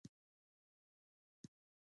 ایا زه باید دوکان جوړ کړم؟